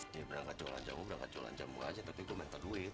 jangan jualan jamu berangkat jualan jamu aja tapi gue minta duit